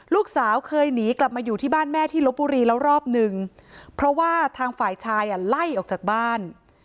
ลูกสาวเคยหนีกลับมาอยู่ที่บ้านแม่ที่ลบบุรีแล้วรอบนึงเพราะว่าทางฝ่ายชายอ่ะไล่ออกจากบ้าน